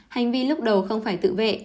hành vi lúc đầu không phải tự vệ